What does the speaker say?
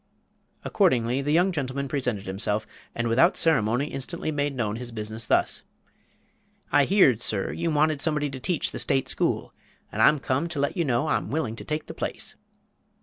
Accordingly, the young gentleman presented himself, and without ceremony, instantly made known his business thus: "I heerd, sir, you wanted somebody to teach the State school, and I'm come to let you know I'm willing to take the place."